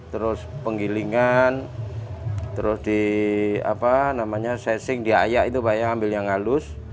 terus penggilingan terus di apa namanya sesing diayak itu pak ya ambil yang halus